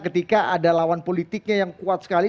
maka apakah jika ada lawan politiknya yang kuat sekali